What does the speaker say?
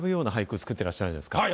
作ってらっしゃるじゃないですか。